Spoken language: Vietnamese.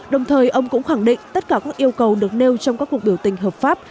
đồng thời ông cũng khẳng định tất cả các yêu cầu được nêu trong các cuộc biểu tình hợp pháp